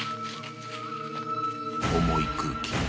［重い空気。